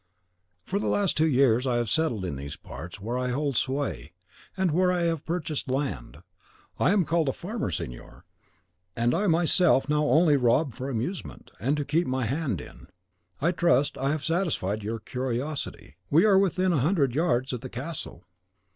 For the last two years I have settled in these parts, where I hold sway, and where I have purchased land. I am called a farmer, signor; and I myself now only rob for amusement, and to keep my hand in. I trust I have satisfied your curiosity. We are within a hundred yards of the castle."